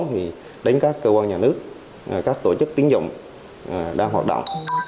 thì đến các cơ quan nhà nước các tổ chức tiến dụng đang hoạt động